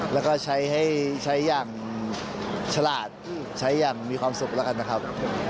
แล้วก็ใช้อย่างฉลาดใช้อย่างมีความสุขแล้วกันนะครับ